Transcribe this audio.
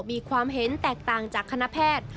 มีความเห็นแตกต่างจากคณะแพทย์